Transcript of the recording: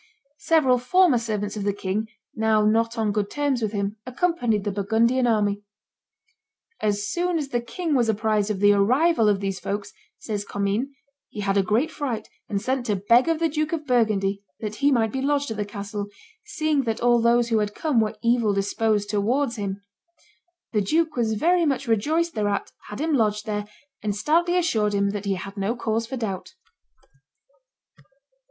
Several former servants of the king, now not on good terms with him, accompanied the Burgundian army. "As soon as the king was apprised of the arrival of these folks," says Commynes, "he had a great fright, and sent to beg of the Duke of Burgundy that he might be lodged at the castle, seeing that all those who had come were evil disposed towards him. The duke was very much rejoiced thereat, had him lodged there, and stoutly assured him that he had no cause for doubt."